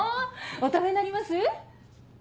お食べになります？